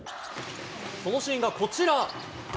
そのシーンがこちら。